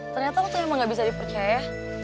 ternyata aku tuh emang gak bisa dipercaya